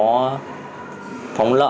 mọi cháu thường có